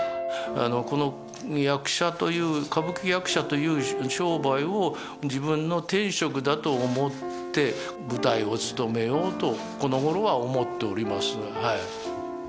この役者という、歌舞伎役者という商売を自分の天職だと思って、舞台を務めようとこのごろは思っております。